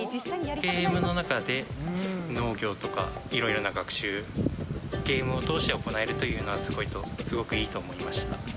ゲームの中で農業とか、いろいろな学習を、ゲームを通して行えるというのは、すごくいいと思いました。